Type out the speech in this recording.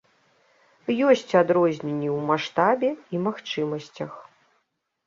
Ёсць адрозненні ў маштабе і магчымасцях.